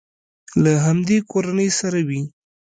له همدې کورنۍ سره وي.